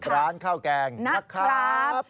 ร้านข้าวแกงนะครับ